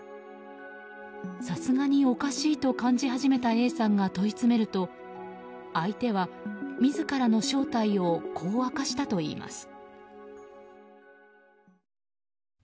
さすがにおかしいと感じ始めたＡさんが問い詰めると相手は、自らの正体をこう明かしたといいます。